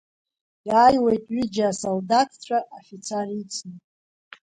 Иааиуеит ҩыџьа асолдаҭцәа афицар ицны.